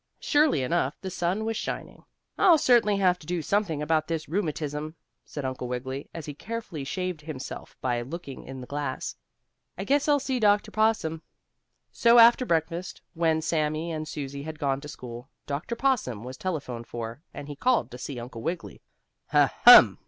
Surely enough, the sun was shining. "I'll certainly have to do something about this rheumatism," said Uncle Wiggily as he carefully shaved himself by looking in the glass. "I guess I'll see Dr. Possum." So after breakfast, when Sammie and Susie had gone to school, Dr. Possum was telephoned for, and he called to see Uncle Wiggily. "Ha! Hum!"